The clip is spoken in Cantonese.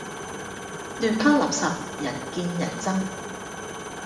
亂拋垃圾，人見人憎